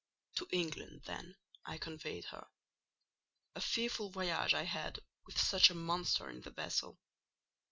"To England, then, I conveyed her; a fearful voyage I had with such a monster in the vessel.